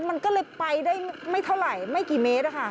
มันก็เลยไปได้ไม่เท่าไหร่ไม่กี่เมตร